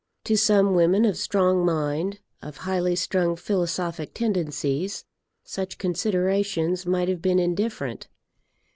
To some women of strong mind, of highly strung philosophic tendencies, such considerations might have been indifferent.